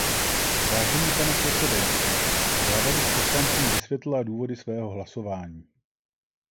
Vážený pane předsedající, ráda bych poslancům vysvětlila důvody svého hlasování.